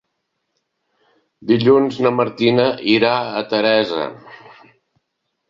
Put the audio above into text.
Dilluns na Martina irà a Teresa.